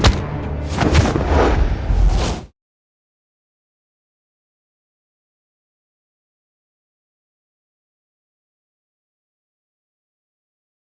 peksi saya lupa